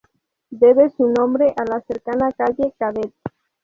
Debe su nombre a la cercana calle Cadet.